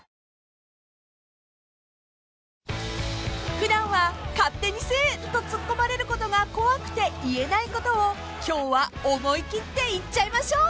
［普段は「勝手にせえ！」とツッコまれることが怖くて言えないことを今日は思い切って言っちゃいましょう！］